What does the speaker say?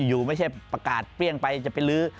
อยู่ไม่ใช่ประกาศเปรี้ยงไปจะไปลื้อ